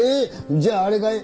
じゃああれかい？